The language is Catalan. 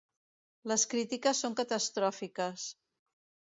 Les crítiques són catastròfiques.